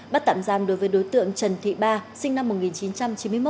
bắt tạm giam đối với đối tượng trần thị ba sinh năm một nghìn chín trăm chín mươi một